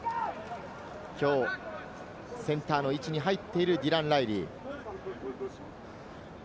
きょう、センターの位置に入っているディラン・ライリー。